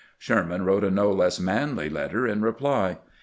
Sherman wrote a no less manly letter in reply.